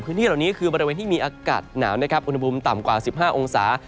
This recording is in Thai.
พื้นที่เหล่านี้คือบริเวณที่มีอากาศหนาวนะครับอุณหภูมิต่ำกว่า๑๕องศา